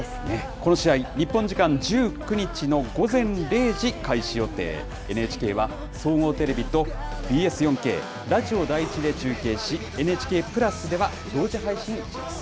この試合、日本時間１９日の午前０時開始予定、ＮＨＫは総合テレビとＢＳ４Ｋ、ラジオ第１で中継し、ＮＨＫプラスでは同時配信します。